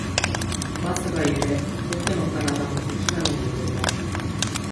バスが揺れ、僕の体も小刻みに揺れた